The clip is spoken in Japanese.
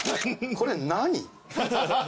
これ何？